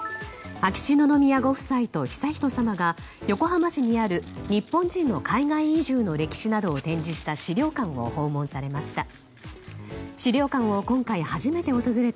秋篠宮ご夫妻と悠仁さまが横浜市にある日本人の海外移住の歴史などを展示した資料館を訪問されました。